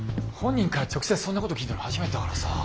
本人から直接そんなこと聞いたの初めてだからさ。